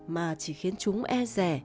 mà chỉ khiến chúng e rẻ